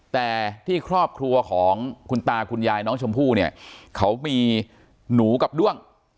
แต่ที่ครอบครัวของคุณตาคุณยายน้องชมพู่เนี่ยเขามีหนูกับด้วง